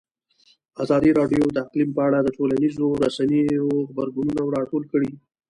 ازادي راډیو د اقلیم په اړه د ټولنیزو رسنیو غبرګونونه راټول کړي.